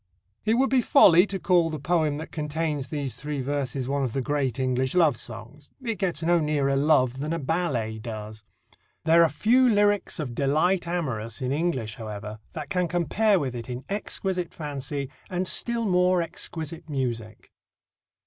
It would be folly to call the poem that contains these three verses one of the great English love songs. It gets no nearer love than a ballet does. There are few lyrics of "delight amorous" in English, however, that can compare with it in exquisite fancy and still more exquisite music.